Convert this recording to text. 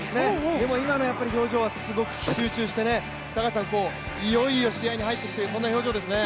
でも今の表情はすごく集中して、いよいよ試合に入っていくというような表情ですね。